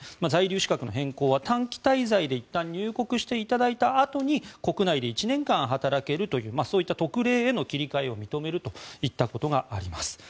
在留資格の変更は短期滞在でいったん入国してもらったあとに国内で１年間働けるというそういった特例への切り替えを認めるといったことがあります。